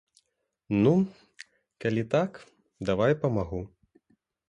Ну, калі так, давай памагу.